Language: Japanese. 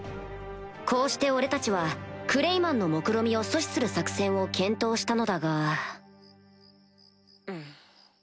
こうして俺たちはクレイマンのもくろみを阻止する作戦を検討したのだがん。